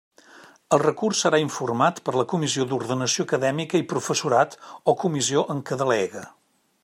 El recurs serà informat per la Comissió d'Ordenació Acadèmica i Professorat, o comissió en què delegue.